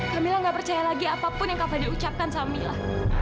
kamila enggak percaya lagi apapun yang kak fadil ucapkan sama mila